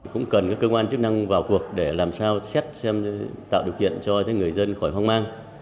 cũng cần các cơ quan chức năng vào cuộc để làm sao xét xem tạo điều kiện cho người dân khỏi hoang mang